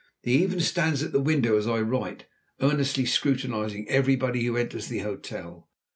He even stands at the window as I write, earnestly scrutinizing everybody who enters the hotel.